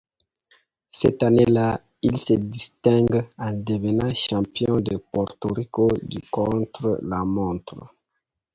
Cette année-là, il se distingue en devenant champion de Porto Rico du contre-la-montre.